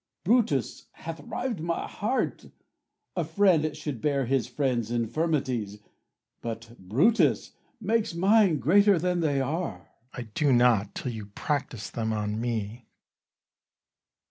Brutus hath rived my heart: A friend should bear his friend's infirmities, But Brutus makes mine greater than they are. Bru. I do not, till you practise them on me.